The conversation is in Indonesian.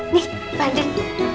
nih mbak andin